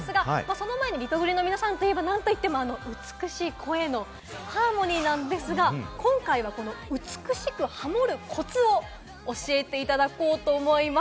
その前にリトグリの皆さんといえば何といっても美しい声のハーモニーなんですが、今回はこの美しくハモるコツを教えていただこうと思います。